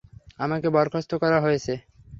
আমাকে বরখাস্ত করা হয়েছে।